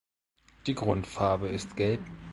Die Grundfarbe ist gelb.